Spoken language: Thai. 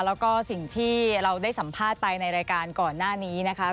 แล้วก็สิ่งที่เราได้สัมภาษณ์ไปในรายการก่อนหน้านี้นะคะ